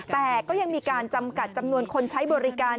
แต่ก็ยังมีการจำกัดจำนวนคนใช้บริการ